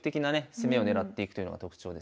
攻めを狙っていくというのが特徴ですね。